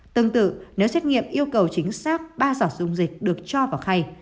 tương tự nếu xét nghiệm yêu cầu chính xác ba giọt dung dịch được cho vào khay